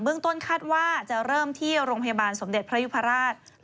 ต้นคาดว่าจะเริ่มที่โรงพยาบาลสมเด็จพระยุพราช